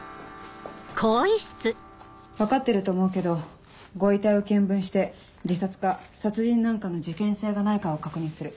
分かってると思うけどご遺体を検分して自殺か殺人なんかの事件性がないかを確認する。